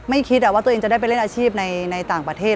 ไม่คิดว่าตัวเองจะได้ไปเล่นอาชีพในต่างประเทศ